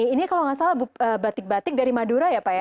ini kalau nggak salah batik batik dari madura ya pak ya